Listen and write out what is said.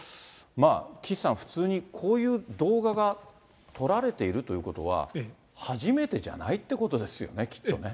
まあ、岸さん、普通にこういう動画が撮られているということは、初めてじゃないっていうことですよね、きっとね。